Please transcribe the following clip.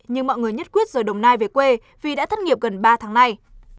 nhưng mọi người nhất quyết rời đồng nai về quê vì đã thất nghiệp gần ba tháng nay